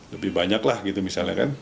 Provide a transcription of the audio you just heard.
lebih banyak lah gitu misalnya kan